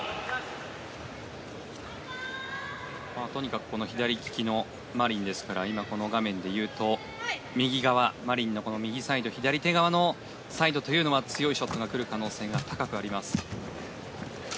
とにかく左利きのマリンですから今、画面でいうと右側、マリンの右サイド、左手側のサイドは強いショットが来る可能性が高くあります。